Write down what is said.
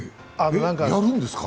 え、やるんですか！？